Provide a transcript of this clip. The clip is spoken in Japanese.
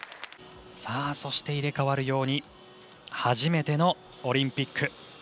さあ、そして入れ替わるように初めてのオリンピック。